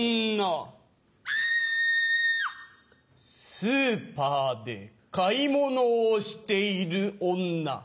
・スーパーで買い物をしている女。